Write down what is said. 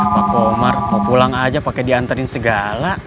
pak omar mau pulang aja pake dianterin segala